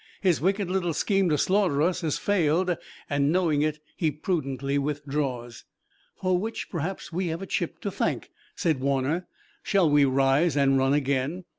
His wicked little scheme to slaughter us has failed and knowing it he prudently withdraws." "For which, perhaps, we have a chip to thank," said Warner. "Shall we rise and run again?"